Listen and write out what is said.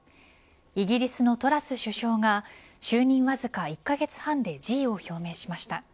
イギリスのトラス首相が就任わずか１カ月半で辞意を表明しました。